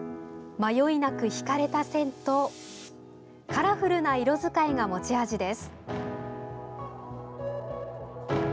迷いなく引かれた線とカラフルな色使いが持ち味です。